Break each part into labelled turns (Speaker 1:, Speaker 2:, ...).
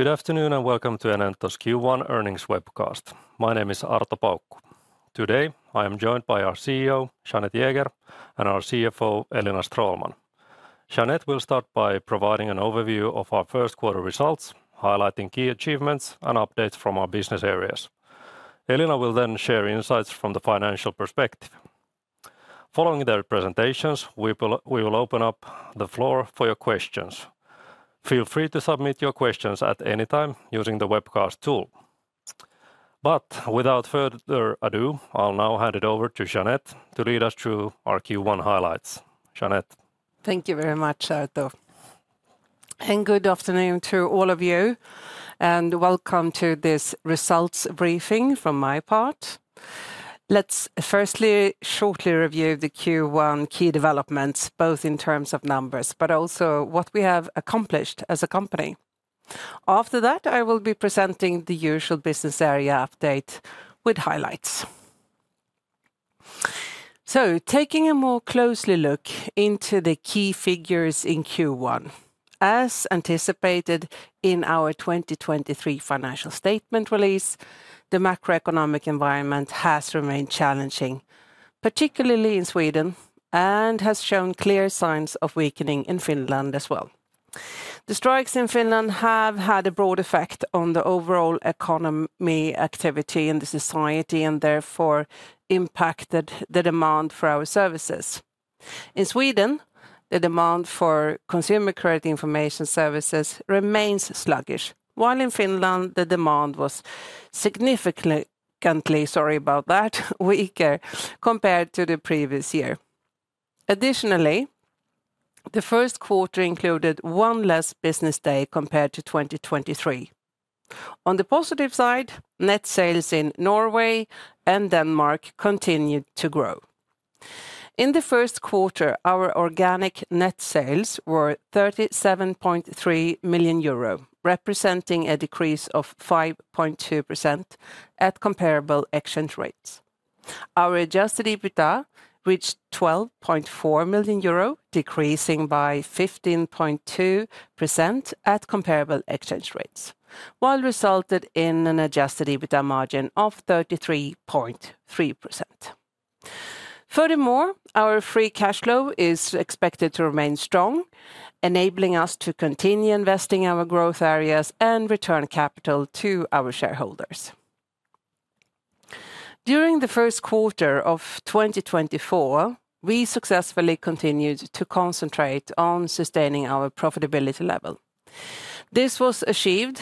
Speaker 1: Good afternoon and welcome to Enento's Q1 Earnings Webcast. My name is Arto Paukku. Today I am joined by our CEO, Jeanette Jäger, and our CFO, Elina Stråhlman. Jeanette will start by providing an overview of our first quarter results, highlighting key achievements and updates from our business areas. Elina will then share insights from the financial perspective. Following their presentations, we will open up the floor for your questions. Feel free to submit your questions at any time using the webcast tool. Without further ado, I'll now hand it over to Jeanette to lead us through our Q1 highlights. Jeanette.
Speaker 2: Thank you very much, Arto. Good afternoon to all of you, and welcome to this results briefing from my part. Let's firstly shortly review the Q1 key developments, both in terms of numbers but also what we have accomplished as a company. After that, I will be presenting the usual business area update with highlights. Taking a closer look into the key figures in Q1. As anticipated in our 2023 financial statement release, the macroeconomic environment has remained challenging, particularly in Sweden, and has shown clear signs of weakening in Finland as well. The strikes in Finland have had a broad effect on the overall economic activity in the society and therefore impacted the demand for our services. In Sweden, the demand for consumer credit information services remains sluggish, while in Finland the demand was significantly, sorry about that, weaker compared to the previous year. Additionally, the first quarter included one less business day compared to 2023. On the positive side, net sales in Norway and Denmark continued to grow. In the first quarter, our organic net sales were 37.3 million euro, representing a decrease of 5.2% at comparable exchange rates. Our adjusted EBITDA reached 12.4 million euro, decreasing by 15.2% at comparable exchange rates, while resulting in an adjusted EBITDA margin of 33.3%. Furthermore, our free cash flow is expected to remain strong, enabling us to continue investing in our growth areas and return capital to our shareholders. During the first quarter of 2024, we successfully continued to concentrate on sustaining our profitability level. This was achieved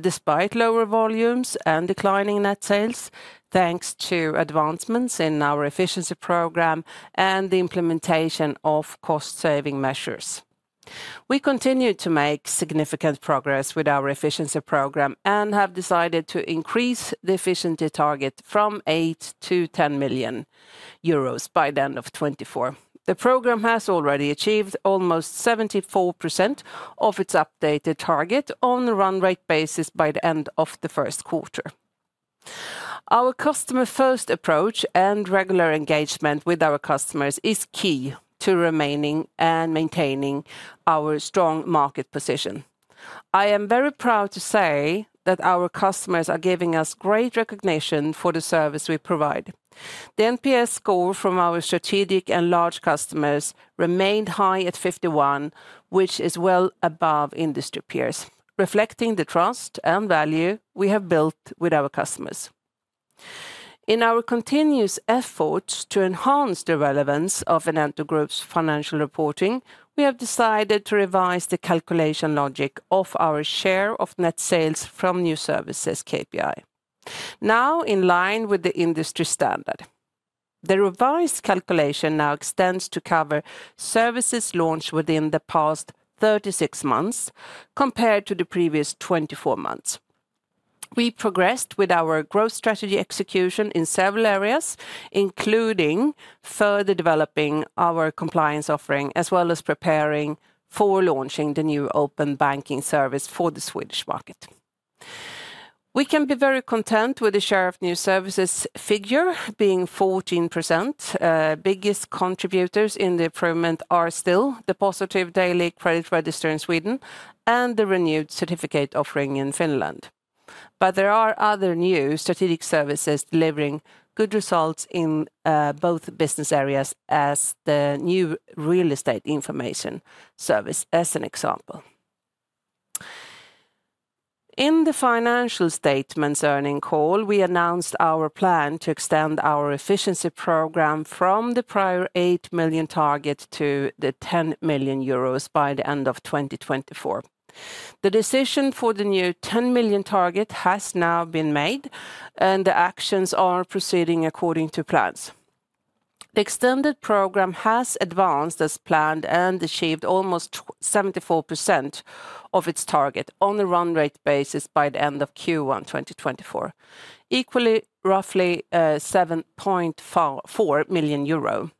Speaker 2: despite lower volumes and declining net sales, thanks to advancements in our efficiency program and the implementation of cost-saving measures. We continued to make significant progress with our efficiency program and have decided to increase the efficiency target from 8 million to 10 million euros by the end of 2024. The program has already achieved almost 74% of its updated target on a run-rate basis by the end of the first quarter. Our customer-first approach and regular engagement with our customers is key to remaining and maintaining our strong market position. I am very proud to say that our customers are giving us great recognition for the service we provide. The NPS score from our strategic and large customers remained high at 51, which is well above industry peers, reflecting the trust and value we have built with our customers. In our continuous efforts to enhance the relevance of Enento Group's financial reporting, we have decided to revise the calculation logic of our share of net sales from new services KPI, now in line with the industry standard. The revised calculation now extends to cover services launched within the past 36 months compared to the previous 24 months. We progressed with our growth strategy execution in several areas, including further developing our compliance offering as well as preparing for launching the new open banking service for the Swedish market. We can be very content with the share of new services figure being 14%. Biggest contributors in the improvement are still the positive daily credit register in Sweden and the renewed certificate offering in Finland. But there are other new strategic services delivering good results in both business areas, as the new real estate information service, as an example. In the financial statements earnings call, we announced our plan to extend our efficiency program from the prior 8 million target to the 10 million euros by the end of 2024. The decision for the new 10 million target has now been made, and the actions are proceeding according to plans. The extended program has advanced as planned and achieved almost 74% of its target on a run-rate basis by the end of Q1 2024, equaling roughly 7.4 million euro.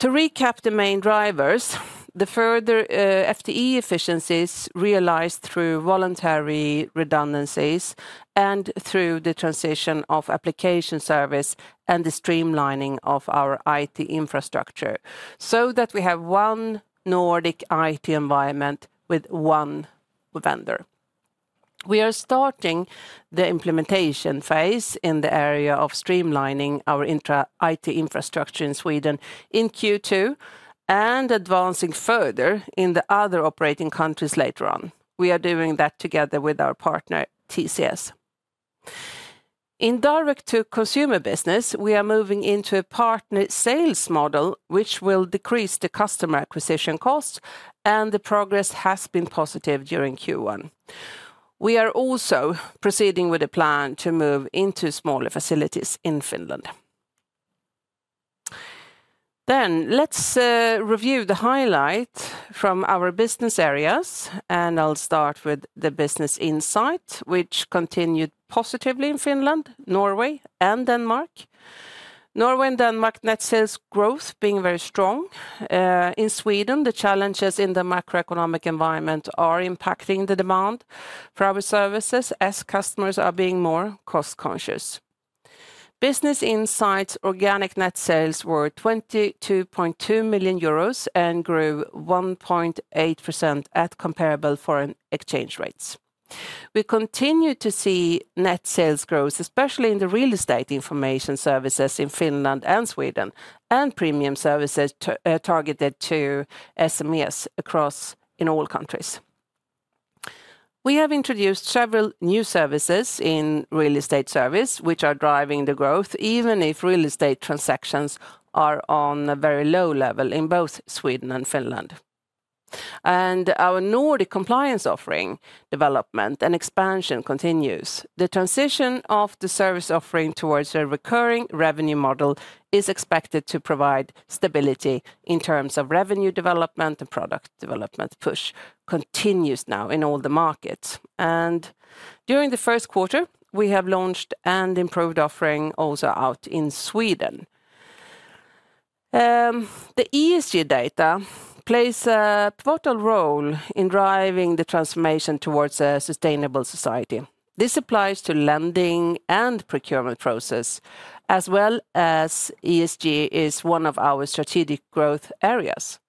Speaker 2: To recap the main drivers, the further FTE efficiencies realized through voluntary redundancies and through the transition of application service and the streamlining of our IT infrastructure so that we have one Nordic IT environment with one vendor. We are starting the implementation phase in the area of streamlining our IT infrastructure in Sweden in Q2 and advancing further in the other operating countries later on. We are doing that together with our partner, TCS. In direct-to-consumer business, we are moving into a partner sales model, which will decrease the customer acquisition costs, and the progress has been positive during Q1. We are also proceeding with a plan to move into smaller facilities in Finland. Then let's review the highlights from our business areas, and I'll start with the Business Insight, which continued positively in Finland, Norway, and Denmark. Norway and Denmark net sales growth being very strong. In Sweden, the challenges in the macroeconomic environment are impacting the demand for our services as customers are being more cost-conscious. Business Insight organic net sales were 22.2 million euros and grew 1.8% at comparable foreign exchange rates. We continue to see net sales growth, especially in the real estate information services in Finland and Sweden and premium services targeted to SMEs across all countries. We have introduced several new services in real estate service, which are driving the growth even if real estate transactions are on a very low level in both Sweden and Finland. Our Nordic compliance offering development and expansion continues. The transition of the service offering towards a recurring revenue model is expected to provide stability in terms of revenue development and product development. The push continues now in all the markets. During the first quarter, we have launched an improved offering also out in Sweden. The ESG data plays a pivotal role in driving the transformation towards a sustainable society. This applies to lending and procurement process, as well as ESG is one of our strategic growth areas.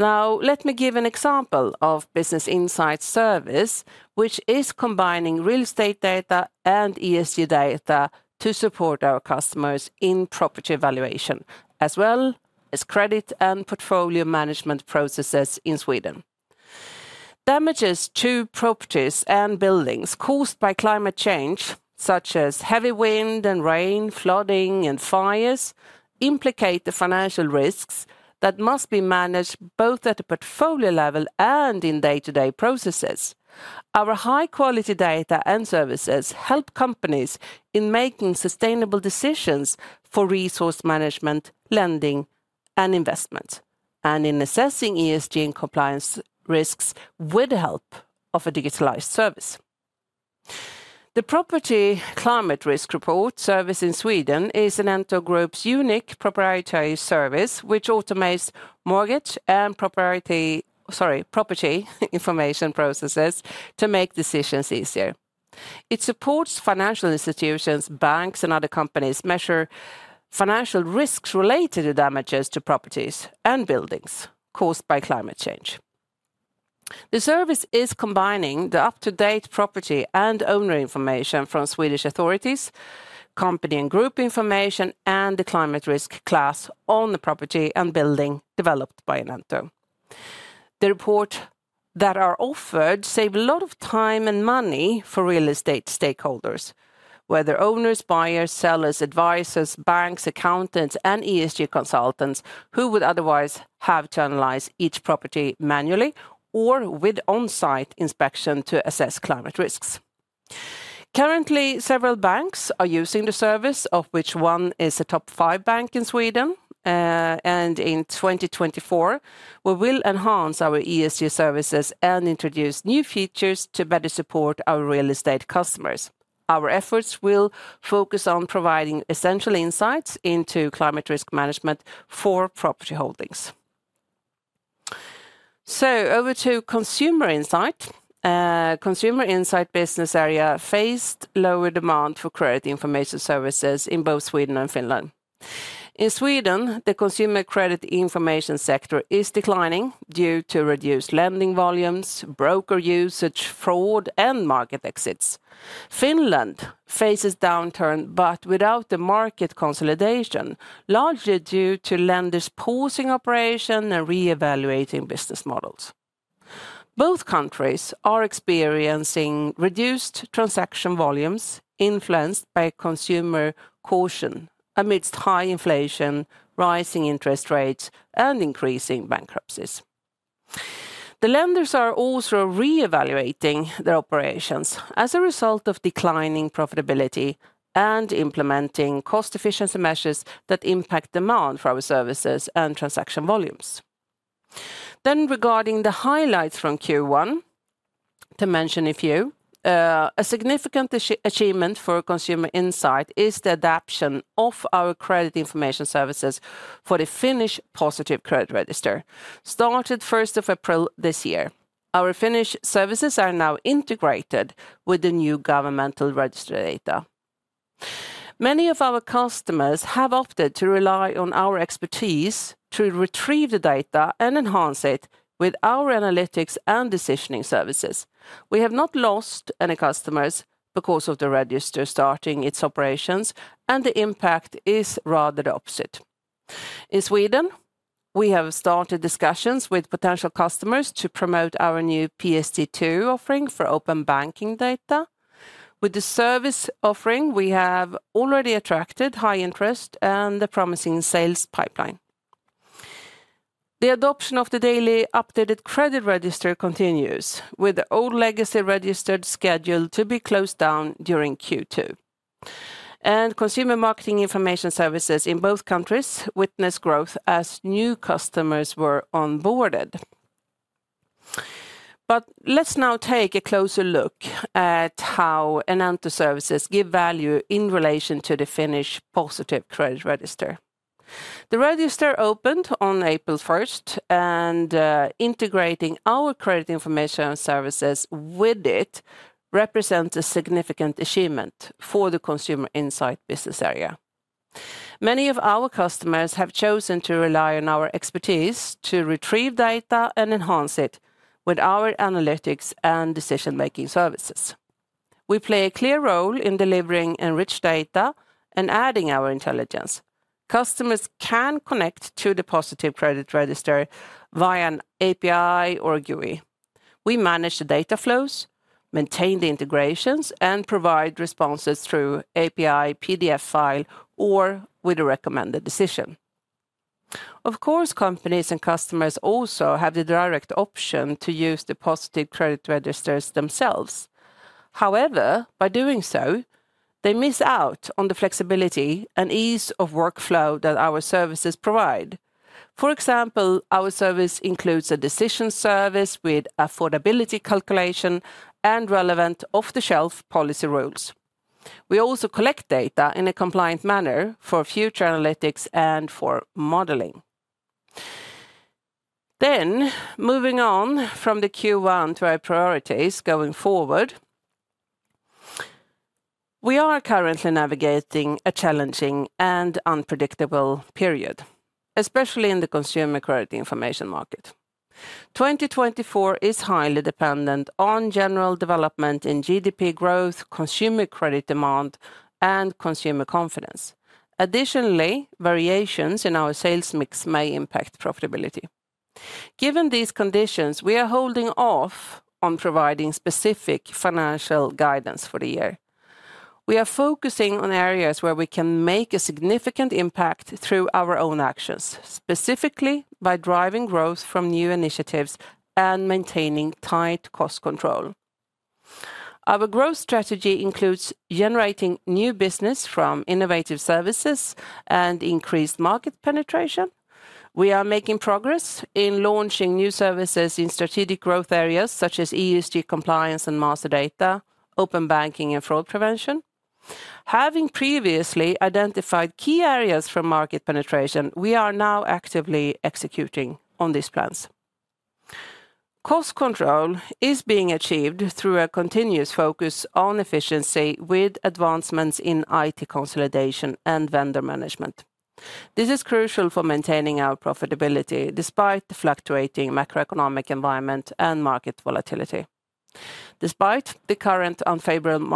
Speaker 2: Now, let me give an example of Business Insights service, which is combining real estate data and ESG data to support our customers in property evaluation, as well as credit and portfolio management processes in Sweden. Damages to properties and buildings caused by climate change, such as heavy wind and rain, flooding, and fires, implicate the financial risks that must be managed both at a portfolio level and in day-to-day processes. Our high-quality data and services help companies in making sustainable decisions for resource management, lending, and investment, and in assessing ESG and compliance risks with the help of a digitalized service. The Property Climate Risk Report service in Sweden is Enento Group's unique proprietary service, which automates mortgage and property information processes to make decisions easier. It supports financial institutions, banks, and other companies measure financial risks related to damages to properties and buildings caused by climate change. The service is combining the up-to-date property and owner information from Swedish authorities, company and group information, and the climate risk class on the property and building developed by Enento. The reports that are offered save a lot of time and money for real estate stakeholders, whether owners, buyers, sellers, advisors, banks, accountants, and ESG consultants, who would otherwise have to analyze each property manually or with on-site inspection to assess climate risks. Currently, several banks are using the service, of which one is a top five bank in Sweden. In 2024, we will enhance our ESG services and introduce new features to better support our real estate customers. Our efforts will focus on providing essential insights into climate risk management for property holdings. So, over to Consumer Insight. Consumer insight business area faced lower demand for credit information services in both Sweden and Finland. In Sweden, the consumer credit information sector is declining due to reduced lending volumes, broker usage, fraud, and market exits. Finland faces downturn but without the market consolidation, largely due to lenders pausing operations and reevaluating business models. Both countries are experiencing reduced transaction volumes influenced by consumer caution amidst high inflation, rising interest rates, and increasing bankruptcies. The lenders are also reevaluating their operations as a result of declining profitability and implementing cost-efficiency measures that impact demand for our services and transaction volumes. Regarding the highlights from Q1, to mention a few, a significant achievement for Consumer Insight is the adoption of our credit information services for the Finnish Positive credit register, started 1 April this year. Our Finnish services are now integrated with the new governmental register data. Many of our customers have opted to rely on our expertise to retrieve the data and enhance it with our analytics and decisioning services. We have not lost any customers because of the register starting its operations, and the impact is rather the opposite. In Sweden, we have started discussions with potential customers to promote our new PSD2 offering for open banking data. With the service offering, we have already attracted high interest and a promising sales pipeline. The adoption of the daily updated credit register continues, with the old legacy register scheduled to be closed down during Q2. Consumer Marketing information services in both countries witnessed growth as new customers were onboarded. Let's now take a closer look at how Enento services give value in relation to the Finnish Positive credit register. The register opened on April 1, and integrating our credit information services with it represents a significant achievement for the Consumer Insight business area. Many of our customers have chosen to rely on our expertise to retrieve data and enhance it with our analytics and decision-making services. We play a clear role in delivering enriched data and adding our intelligence. Customers can connect to the Positive credit register via an API or GUI. We manage the data flows, maintain the integrations, and provide responses through API, PDF file, or with a recommended decision. Of course, companies and customers also have the direct option to use the Positive credit registers themselves. However, by doing so, they miss out on the flexibility and ease of workflow that our services provide. For example, our service includes a decision service with affordability calculation and relevant off-the-shelf policy rules. We also collect data in a compliant manner for future analytics and for modeling. Moving on from Q1 to our priorities going forward, we are currently navigating a challenging and unpredictable period, especially in the consumer credit information market. 2024 is highly dependent on general development in GDP growth, consumer credit demand, and consumer confidence. Additionally, variations in our sales mix may impact profitability. Given these conditions, we are holding off on providing specific financial guidance for the year. We are focusing on areas where we can make a significant impact through our own actions, specifically by driving growth from new initiatives and maintaining tight cost control. Our growth strategy includes generating new business from innovative services and increased market penetration. We are making progress in launching new services in strategic growth areas such as ESG compliance and master data, open banking, and fraud prevention. Having previously identified key areas for market penetration, we are now actively executing on these plans. Cost control is being achieved through a continuous focus on efficiency with advancements in IT consolidation and vendor management. This is crucial for maintaining our profitability despite the fluctuating macroeconomic environment and market volatility. Despite the current unfavorable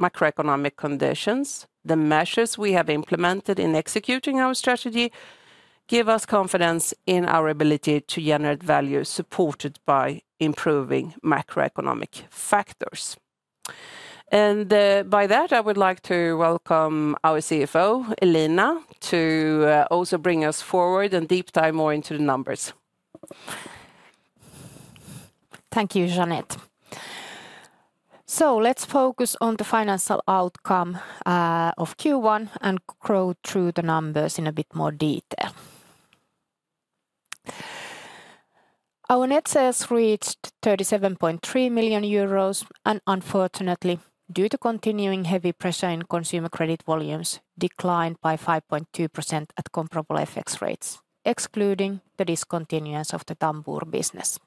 Speaker 2: macroeconomic conditions, the measures we have implemented in executing our strategy give us confidence in our ability to generate value supported by improving macroeconomic factors. By that, I would like to welcome our CFO, Elina, to also bring us forward and deep dive more into the numbers.
Speaker 3: Thank you, Jeanette. Let's focus on the financial outcome of Q1 and grow through the numbers in a bit more detail. Our net sales reached 37.3 million euros, and unfortunately, due to continuing heavy pressure in consumer credit volumes, it declined by 5.2% at comparable FX rates, excluding the discontinuance of the Tambur business.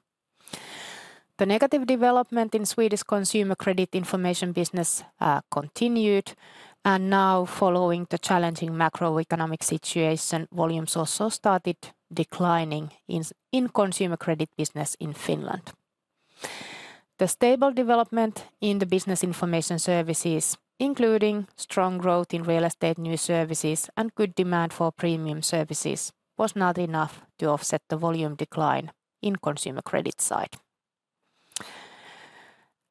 Speaker 3: The negative development in Swedish consumer credit information business continued, and now, following the challenging macroeconomic situation, volumes also started declining in consumer credit business in Finland. The stable development in the business information services, including strong growth in real estate new services and good demand for premium services, was not enough to offset the volume decline in consumer credit side.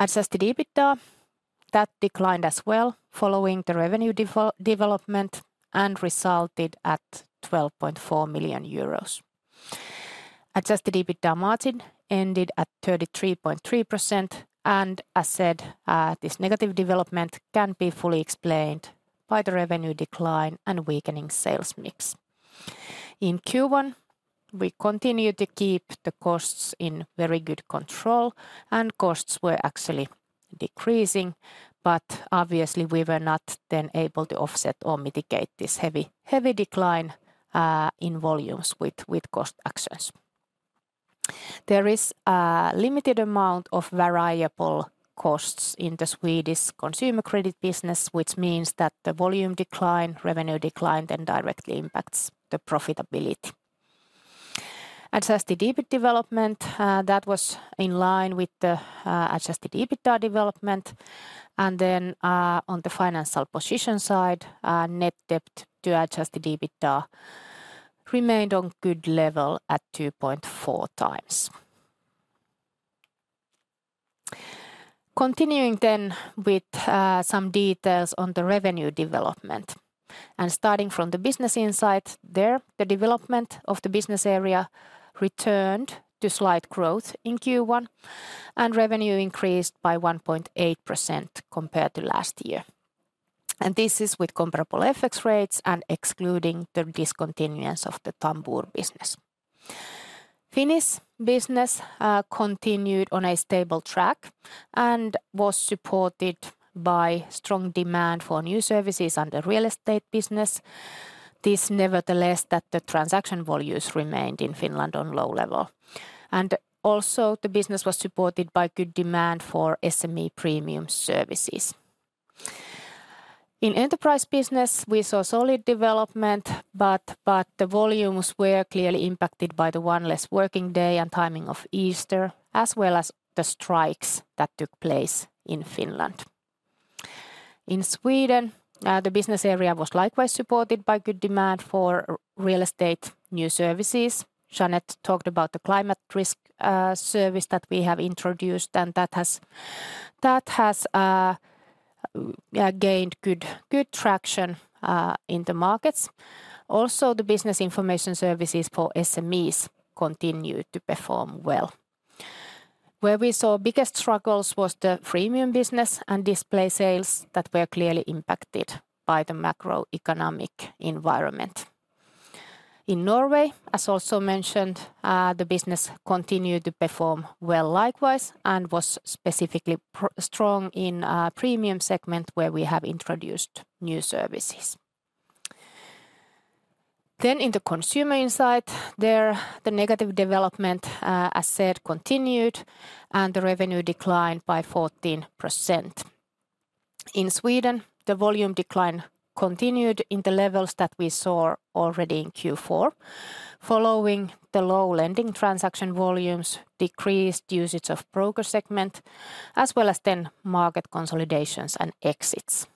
Speaker 3: Adjusted EBITDA declined as well following the revenue development and resulted at 12.4 million euros. Adjusted EBITDA margin ended at 33.3%, and as said, this negative development can be fully explained by the revenue decline and weakening sales mix. In Q1, we continued to keep the costs in very good control, and costs were actually decreasing, but obviously, we were not then able to offset or mitigate this heavy decline in volumes with cost actions. There is a limited amount of variable costs in the Swedish consumer credit business, which means that the volume decline, revenue decline, then directly impacts the profitability. Adjusted EBIT development, that was in line with the adjusted EBITDA development. And then, on the financial position side, net debt to adjusted EBITDA remained on a good level at 2.4 times. Continuing then with some details on the revenue development. And starting from the Business Insight there, the development of the business area returned to slight growth in Q1, and revenue increased by 1.8% compared to last year. And this is with comparable FX rates and excluding the discontinuance of the Tambur business. Finnish business continued on a stable track and was supported by strong demand for new services and the real estate business. This, nevertheless, is that the transaction volumes remained in Finland on a low level. Also, the business was supported by good demand for SME premium services. In enterprise business, we saw solid development, but the volumes were clearly impacted by the one less working day and timing of Easter, as well as the strikes that took place in Finland. In Sweden, the business area was likewise supported by good demand for real estate new services. Jeanette talked about the climate risk service that we have introduced, and that has gained good traction in the markets. Also, the business information services for SMEs continued to perform well. Where we saw biggest struggles was the premium business and display sales that were clearly impacted by the macroeconomic environment. In Norway, as also mentioned, the business continued to perform well likewise and was specifically strong in the premium segment where we have introduced new services. In the Consumer Insight there, the negative development, as said, continued and the revenue declined by 14%. In Sweden, the volume decline continued in the levels that we saw already in Q4, following the low lending transaction volumes, decreased usage of broker segment, as well as then market consolidations and exits.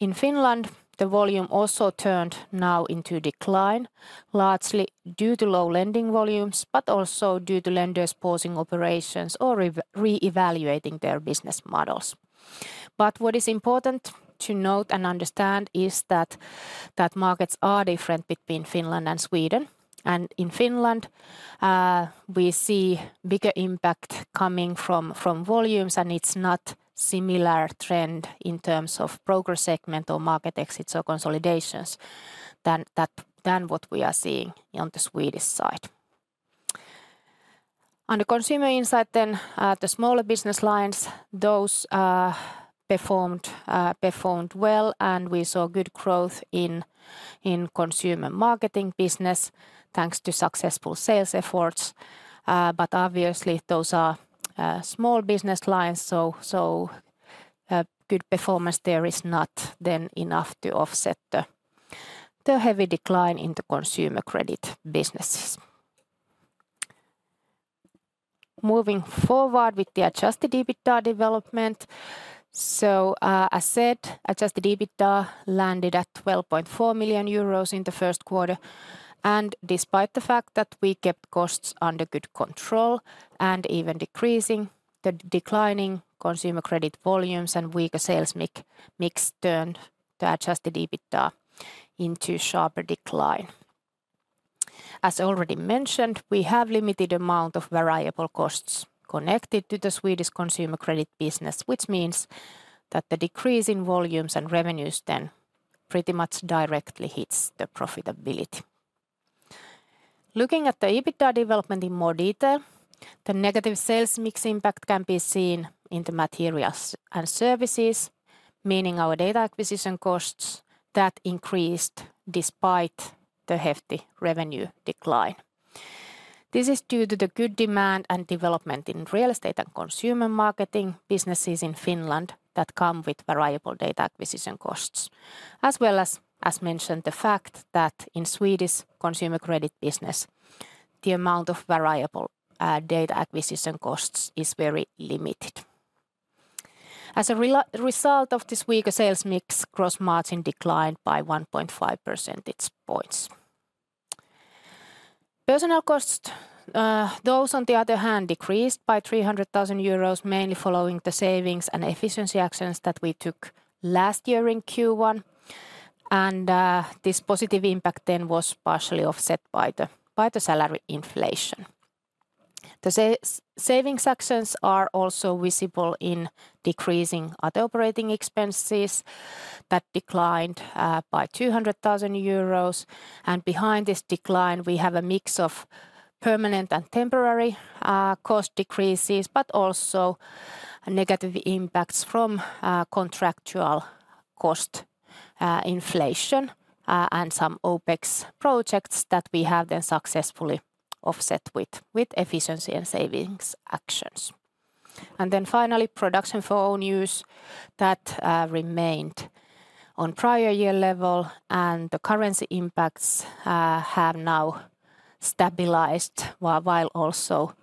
Speaker 3: In Finland, the volume also turned now into decline, largely due to low lending volumes, but also due to lenders pausing operations or reevaluating their business models. But what is important to note and understand is that markets are different between Finland and Sweden. In Finland, we see a bigger impact coming from volumes, and it's not a similar trend in terms of broker segment or market exits or consolidations than what we are seeing on the Swedish side. On the Consumer Insight then, the smaller business lines, those performed well, and we saw good growth in Consumer Marketing business thanks to successful sales efforts. Obviously, those are small business lines, so good performance there is not then enough to offset the heavy decline in the consumer credit businesses. Moving forward with the adjusted EBITDA development. As said, adjusted EBITDA landed at 12.4 million euros in the first quarter. Despite the fact that we kept costs under good control and even decreasing the declining consumer credit volumes and weaker sales mix turned the adjusted EBITDA into a sharper decline. As already mentioned, we have a limited amount of variable costs connected to the Swedish consumer credit business, which means that the decrease in volumes and revenues then pretty much directly hits the profitability. Looking at the EBITDA development in more detail, the negative sales mix impact can be seen in the materials and services, meaning our data acquisition costs that increased despite the hefty revenue decline. This is due to the good demand and development in real estate and Consumer Marketing businesses in Finland that come with variable data acquisition costs. As well as, as mentioned, the fact that in Swedish consumer credit business, the amount of variable data acquisition costs is very limited. As a result of this weaker sales mix, gross margin declined by 1.5 percentage points. Personal costs, those on the other hand, decreased by 300,000 euros, mainly following the savings and efficiency actions that we took last year in Q1. This positive impact then was partially offset by the salary inflation. The savings actions are also visible in decreasing other operating expenses that declined by 200,000 euros. Behind this decline, we have a mix of permanent and temporary cost decreases, but also negative impacts from contractual cost inflation and some OpEx projects that we have then successfully offset with efficiency and savings actions. Then finally, production for own use that remained on prior year level, and the currency impacts have now stabilized, while also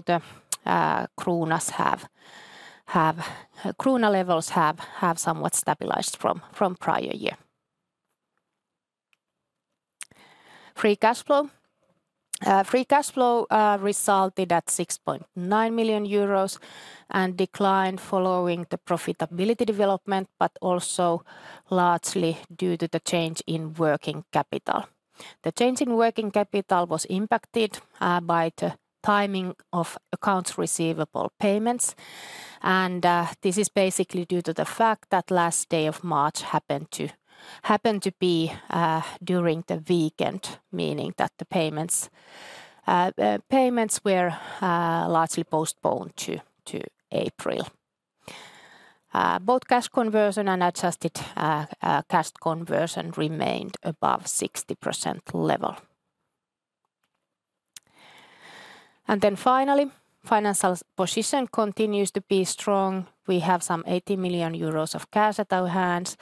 Speaker 3: the levels have somewhat stabilized from prior year. Free cash flow resulted at 6.9 million euros and declined following the profitability development, but also largely due to the change in working capital. The change in working capital was impacted by the timing of accounts receivable payments. This is basically due to the fact that last day of March happened to be during the weekend, meaning that the payments were largely postponed to April. Both cash conversion and adjusted cash conversion remained above the 60% level. Then finally, financial position continues to be strong. We have some 80 million euros of cash at our hands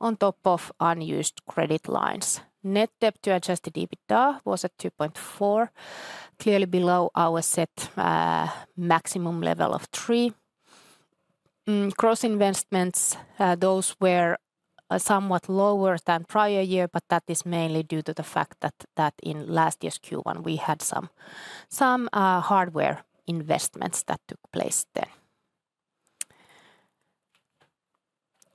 Speaker 3: on top of unused credit lines. Net debt to adjusted EBITDA was at 2.4, clearly below our set maximum level of 3. Gross investments, those were somewhat lower than prior year, but that is mainly due to the fact that in last year's Q1 we had some hardware investments that took place then.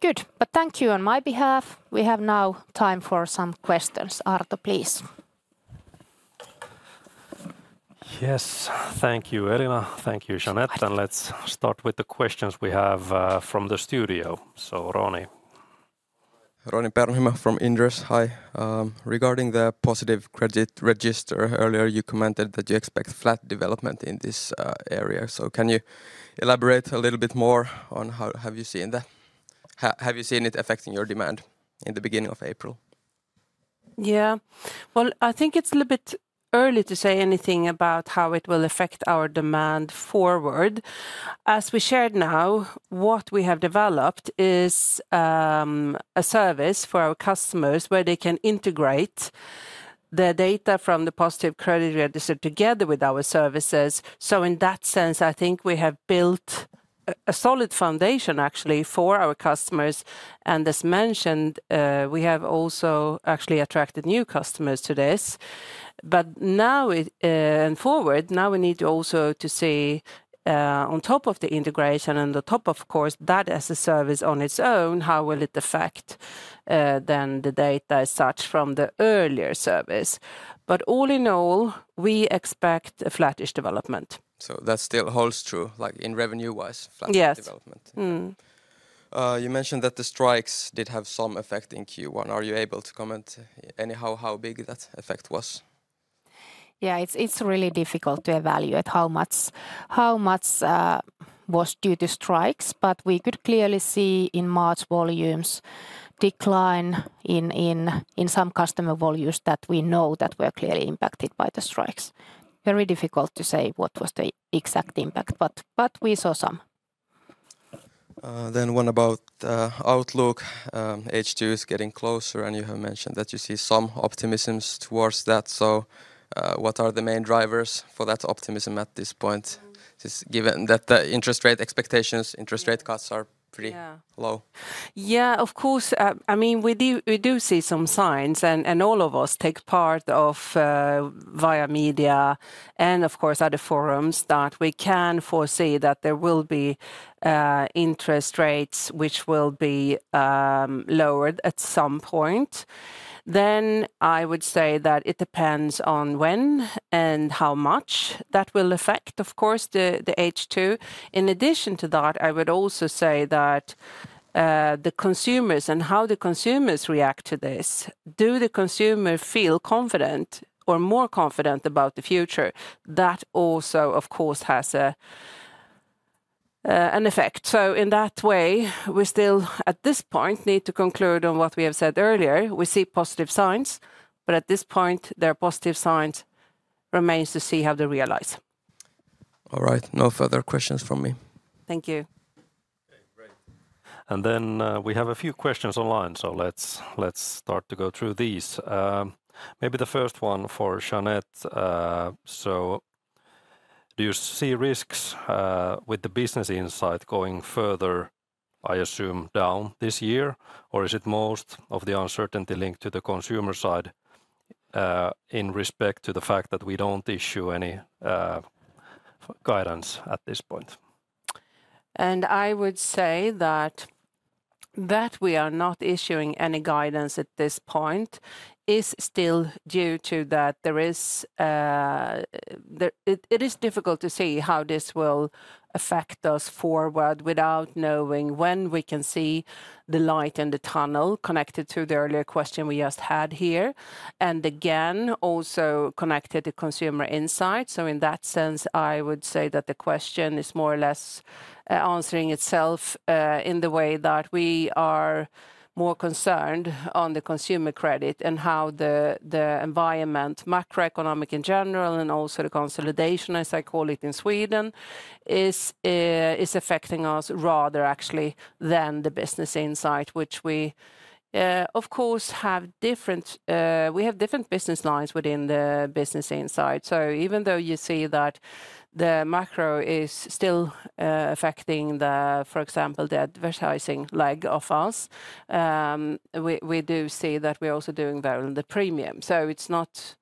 Speaker 3: Good, but thank you on my behalf. We have now time for some questions. Arto, please.
Speaker 1: Yes, thank you, Elina. Thank you, Jeanette. Let's start with the questions we have from the studio. So, Roni.
Speaker 4: Roni Peuranheimo from Inderes, hi. Regarding the Positive credit register, earlier you commented that you expect flat development in this area. So, can you elaborate a little bit more on how you have seen that? Have you seen it affecting your demand in the beginning of April?
Speaker 2: Yeah, well, I think it's a little bit early to say anything about how it will affect our demand forward. As we shared now, what we have developed is a service for our customers where they can integrate the data from the Positive credit register together with our services. So, in that sense, I think we have built a solid foundation actually for our customers. And as mentioned, we have also actually attracted new customers to this. But now and forward, now we need also to see, on top of the integration and on top, of course, that as a service on its own, how will it affect then the data as such from the earlier service? But all in all, we expect a flattish development.
Speaker 4: So, that still holds true, like in revenue-wise, flattish development?
Speaker 2: Yes.
Speaker 4: You mentioned that the strikes did have some effect in Q1. Are you able to comment anyhow how big that effect was?
Speaker 3: Yeah, it's really difficult to evaluate how much was due to strikes, but we could clearly see in March volumes decline in some customer volumes that we know were clearly impacted by the strikes. Very difficult to say what was the exact impact, but we saw some.
Speaker 4: Then one about Outlook. H2 is getting closer, and you have mentioned that you see some optimisms towards that. So, what are the main drivers for that optimism at this point, given that the interest rate expectations, interest rate cuts are pretty low?
Speaker 2: Yeah, of course. I mean, we do see some signs, and all of us take part via media and, of course, other forums that we can foresee that there will be interest rates which will be lowered at some point. Then I would say that it depends on when and how much that will affect, of course, the H2. In addition to that, I would also say that the consumers and how the consumers react to this, do the consumer feel confident or more confident about the future? That also, of course, has an effect. So, in that way, we still at this point need to conclude on what we have said earlier. We see positive signs, but at this point, there are positive signs. Remains to see how they realize.
Speaker 4: All right, no further questions from me.
Speaker 2: Thank you.
Speaker 4: Okay, great.
Speaker 1: Then we have a few questions online, so let's start to go through these. Maybe the first one for Jeanette. So... Do you see risks with the Business Insight going further, I assume, down this year? Or is it most of the uncertainty linked to the consumer side in respect to the fact that we don't issue any guidance at this point?
Speaker 2: I would say that we are not issuing any guidance at this point. It is still due to that there is... It is difficult to see how this will affect us forward without knowing when we can see the light in the tunnel connected to the earlier question we just had here. Again, also connected to Consumer Insight. So, in that sense, I would say that the question is more or less answering itself in the way that we are more concerned on the consumer credit and how the environment, macroeconomic in general, and also the consolidation, as I call it in Sweden, is affecting us rather actually than the Business Insight, which we, of course, have different... We have different business lines within the Business Insight. So, even though you see that the macro is still affecting the, for example, the advertising leg of us, we do see that we are also doing well in the premium. So, it's not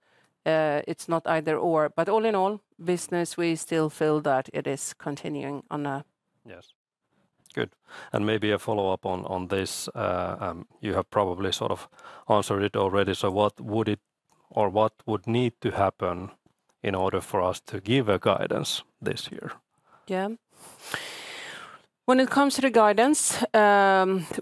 Speaker 2: either/or. But all in all, business, we still feel that it is continuing on a
Speaker 1: Yes. Good. And maybe a follow-up on this. You have probably sort of answered it already. So, what would it...Or what would need to happen in order for us to give a guidance this year?
Speaker 2: Yeah. When it comes to the guidance,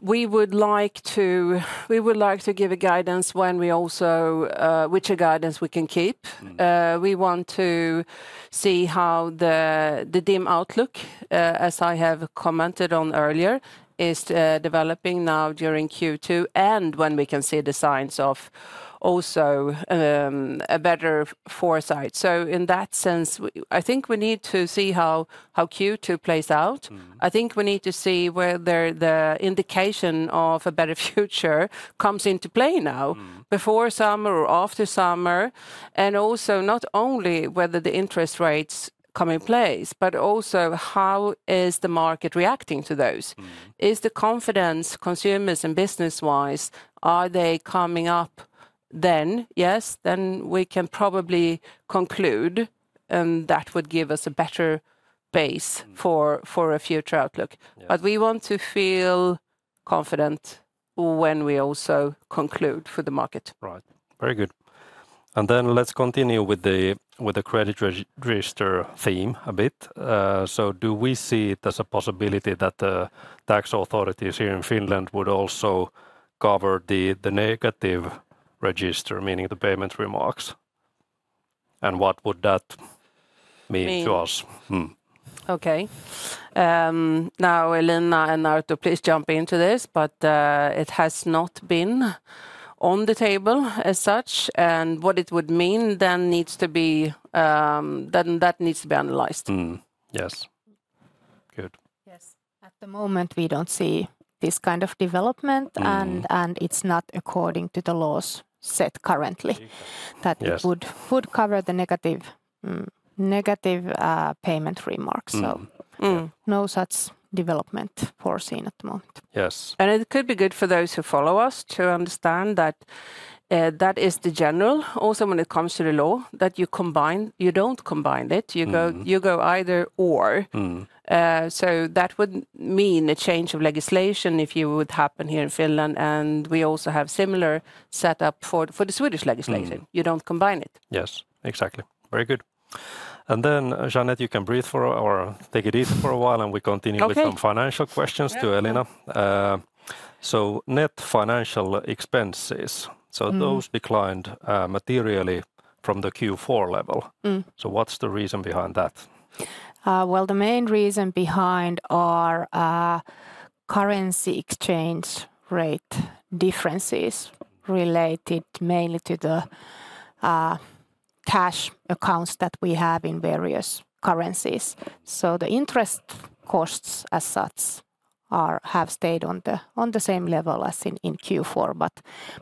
Speaker 2: we would like to, we would like to give a guidance when we also, which a guidance we can keep. We want to see how the dim outlook, as I have commented on earlier, is developing now during Q2 and when we can see the signs of also, a better foresight. So, in that sense, I think we need to see how Q2 plays out. I think we need to see whether the indication of a better future comes into play now, before summer or after summer. And also not only whether the interest rates come in place, but also how is the market reacting to those? Is the confidence, consumers and business-wise, are they coming up then? Yes, then we can probably conclude, and that would give us a better base for a future outlook. But we want to feel confident when we also conclude for the market.
Speaker 1: Right, very good. And then let's continue with the credit register theme a bit. So, do we see it as a possibility that the tax authorities here in Finland would also cover the negative register, meaning the payment remarks? And what would that mean to us?
Speaker 2: Okay. Now, Elina and Arto, please jump into this, but it has not been on the table as such. And what it would mean then needs to be, that needs to be analyzed.
Speaker 1: Yes. Good.
Speaker 3: Yes, at the moment we don't see this kind of development, and it's not according to the laws set currently. That it would cover the negative payment remarks. So, no such development foreseen at the moment.
Speaker 1: Yes.
Speaker 2: And it could be good for those who follow us to understand that that is the general, also when it comes to the law, that you combine. You don't combine it. You go either/or. So, that would mean a change of legislation if you would happen here in Finland. And we also have a similar setup for the Swedish legislation. You don't combine it.
Speaker 1: Yes, exactly. Very good. And then, Jeanette, you can breathe for... Or take it easy for a while, and we continue with some financial questions to Elina. So, net financial expenses. So, those declined materially from the Q4 level. So, what's the reason behind that?
Speaker 3: Well, the main reason behind are currency exchange rate differences related mainly to the cash accounts that we have in various currencies. So, the interest costs as such have stayed on the same level as in Q4.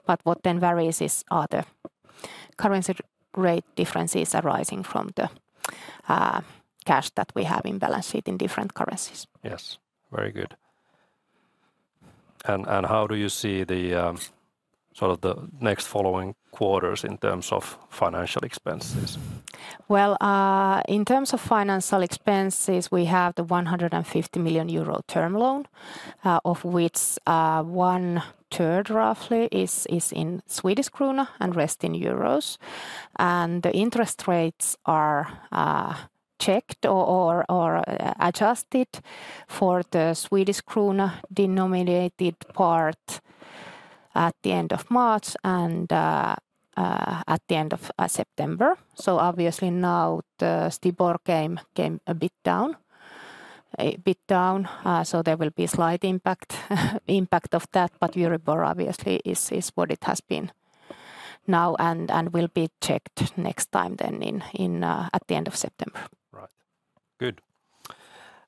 Speaker 3: But what then varies is are the currency rate differences arising from the cash that we have in balance sheet in different currencies. Yes, very good. And how do you see the sort of the next following quarters in terms of financial expenses? Well, in terms of financial expenses, we have the 150 million euro term loan, of which one third roughly is in Swedish krona and rest in euros. And the interest rates are checked or adjusted for the Swedish krona denominated part at the end of March and at the end of September. So, obviously now the STIBOR came a bit down. A bit down. So, there will be slight impact of that, but EURIBOR obviously is what it has been now and will be checked next time then at the end of September.
Speaker 1: Right, good.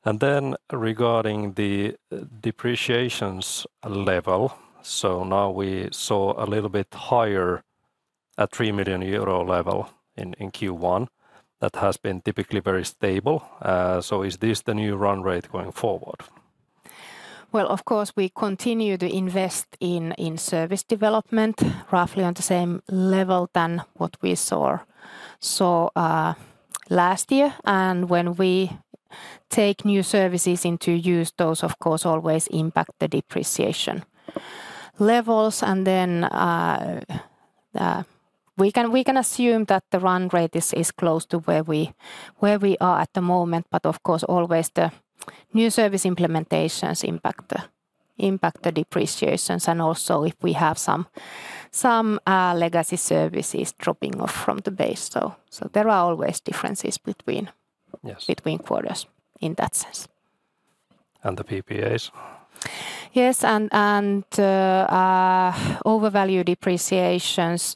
Speaker 1: And then regarding the depreciations level. So, now we saw a little bit higher at 3 million euro level in Q1. That has been typically very stable. So, is this the new run rate going forward?
Speaker 3: Well, of course, we continue to invest in service development roughly on the same level than what we saw last year. And when we take new services into use, those, of course, always impact the depreciation levels. And then, we can assume that the run rate is close to where we are at the moment, but of course, always the new service implementations impact the depreciations. And also if we have some legacy services dropping off from the base. So, there are always differences between quarters in that sense.
Speaker 1: And the PPAs?
Speaker 3: Yes, and overvalued depreciations.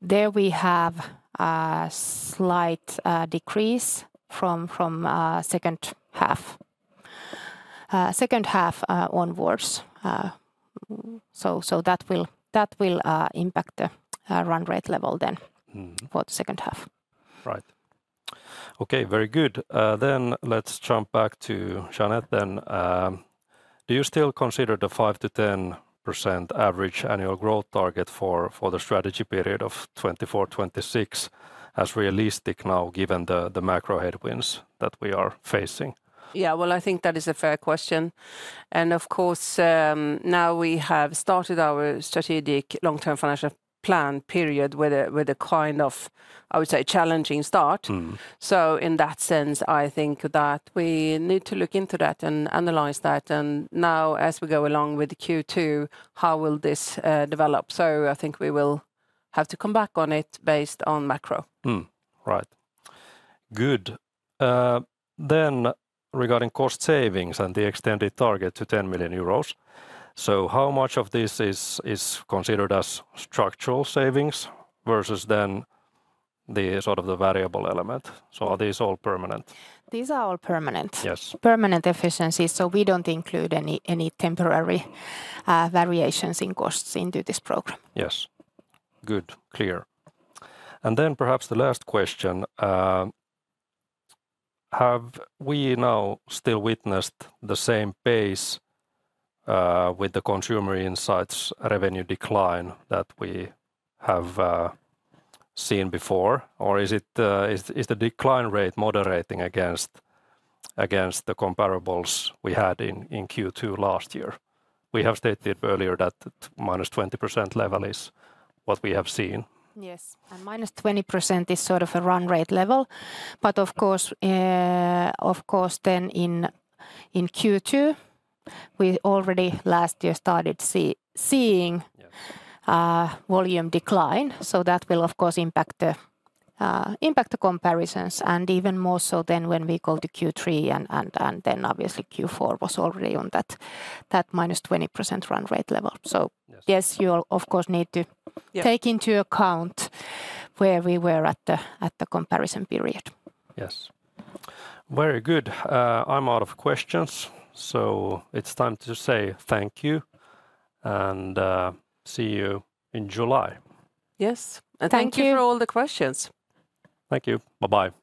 Speaker 3: There we have a slight decrease from second half. Second half onwards. So, that will impact the run rate level then for the second half.
Speaker 1: Right. Okay, very good. Then let's jump back to Jeanette then. Do you still consider the 5%-10% average annual growth target for the strategy period of 2024/2026 as realistic now given the macro headwinds that we are facing?
Speaker 2: Yeah, well, I think that is a fair question. And of course, now we have started our strategic long-term financial plan period with a kind of, I would say, challenging start. So, in that sense, I think that we need to look into that and analyze that. And now, as we go along with Q2, how will this develop? So, I think we will have to come back on it based on macro.
Speaker 1: Right. Good. Then regarding cost savings and the extended target to 10 million euros. So, how much of this is considered as structural savings versus then the sort of the variable element? So, are these all permanent?
Speaker 2: These are all permanent. Permanent efficiencies. So, we don't include any temporary variations in costs into this program.
Speaker 1: Yes, good, clear. And then perhaps the last question. Have we now still witnessed the same pace with the Consumer Insights revenue decline that we have seen before? Or is it, Is the decline rate moderating against the comparables we had in Q2 last year? We have stated earlier that minus 20% level is what we have seen.
Speaker 2: Yes, and minus 20% is sort of a run rate level. But of course, of course then in Q2, we already last year started seeing, yes, volume decline. So, that will of course impact the comparisons. And even more so then when we go to Q3 and then obviously Q4 was already on that -20% run rate level. So, yes, you will of course need to take into account where we were at the comparison period.
Speaker 1: Yes, very good. I'm out of questions. So, it's time to say thank you. And see you in July.
Speaker 2: Yes, and thank you for all the questions.
Speaker 1: Thank you, bye-bye.